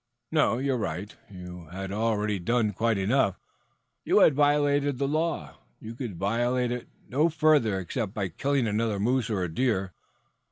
"No, you are right. You had already done quite enough. You had violated the law. You could violate it no further except by killing another moose or a deer.